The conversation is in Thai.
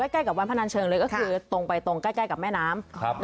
ใกล้กับวันพนันเชิงเลยก็คือตรงไปตรงใกล้กับแม่น้ำ